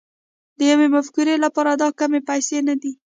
د يوې مفکورې لپاره دا کمې پيسې نه دي.